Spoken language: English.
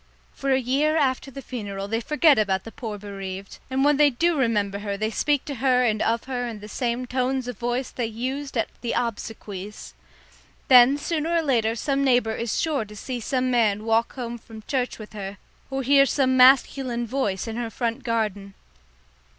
For a year after the funeral they forget about the poor bereaved, and when they do remember her they speak to and of her in the same tones of voice they used at the obsequies. Then sooner or later some neighbour is sure to see some man walk home from church with her, or hear some masculine voice in her front garden.